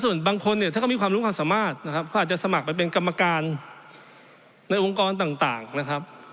ส่วนบางคนเนี่ยถ้าเขามีความรู้ความสามารถนะครับเขาอาจจะสมัครไปเป็นกรรมการในองค์กรต่างนะครับ